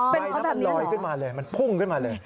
เป็นเพราะแบบนี้เหรอมันพุ่งขึ้นมาเลยใบน้ำมันลอยขึ้นมาเลย